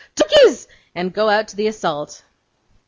Donkeys!' and go out to the assault.